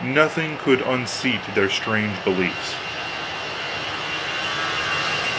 Nothing could unseat their strange beliefs.